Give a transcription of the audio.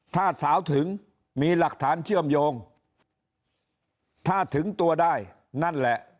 ถ้าสาวถึงมีหลักฐานเชื่อมโยงถ้าถึงตัวได้นั่นแหละ